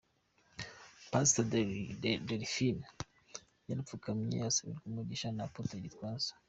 Pastor Delphin yarapfukamye asabirwa umugisha na Apotre Gitwaza.